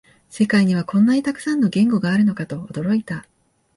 世界にはこんなにたくさんの言語があるのかと驚いた